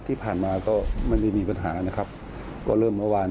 ที่ผ่านมาก็ไม่มีปัญหาก็เริ่มเมื่อวาน